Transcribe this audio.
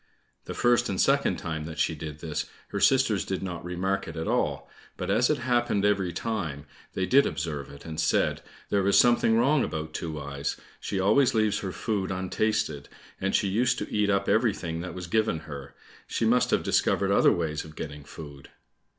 The first and second time that she did this, her sisters did not remark it at all, but as it happened every time, they did observe it, and said, "There is something wrong about Two eyes, she always leaves her food untasted, and she used to eat up everything that was given her; she must have discovered other ways of getting food."